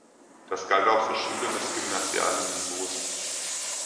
Dies galt auch für Schüler des gymnasialen Niveaus.